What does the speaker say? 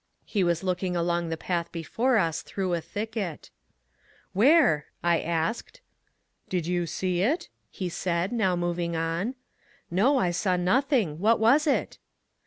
He was looking sdong the path before us through a thicket. " Where? " I asked. " Did you see it? " he said, now moving on. " No, I saw nothing — what was it?"